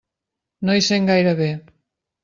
No hi sent gaire bé.